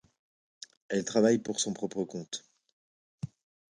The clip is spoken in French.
Elle travaille pour son propre compte.